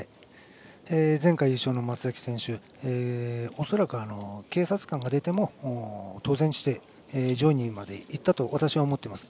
前回優勝の松崎選手は恐らく警察官が出ても上位にまでいったと思います。